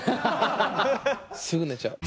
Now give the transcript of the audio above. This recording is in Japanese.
すぐ寝ちゃう。